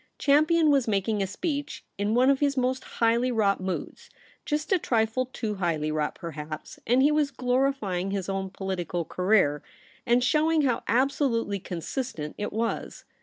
' Champion was making a speech in one of his most highly wrought moods, just a trifle too highly wrought perhaps ; and he was glorifying his own political career, and showing how abso lutely consistent it w^as.